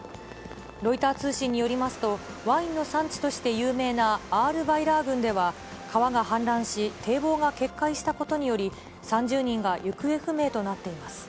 ロイター通信によりますと、ワインの産地として有名なアールヴァイラー郡では川が氾濫し、堤防が決壊したことにより、３０人が行方不明となっています。